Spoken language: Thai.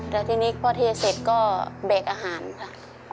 แล้วทีนี้พอเทเสร็จก็แบกอาหารค่ะ